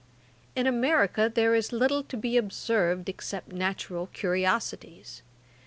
'In America there is little to be observed except natural curiosities.